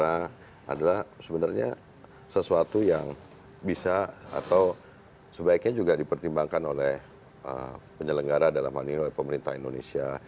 jadi saya rasa itu adalah sesuatu yang bisa atau sebaiknya juga dipertimbangkan oleh penyelenggara dalam hal ini oleh pemerintah indonesia